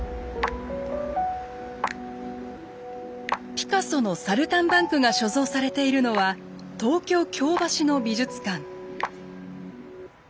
ピカソの「サルタンバンク」が所蔵されているのは東京・京橋の美術館。